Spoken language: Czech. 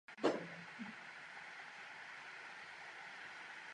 Většina ruských knížectví byla Mongoly podrobena a stala se součástí Zlaté Hordy.